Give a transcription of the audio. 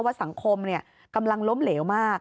ว่าสังคมเนี่ยกำลังล้มเหลวมาก